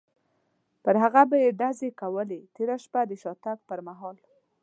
پر هغه به یې ډزې کولې، تېره شپه د شاتګ پر مهال.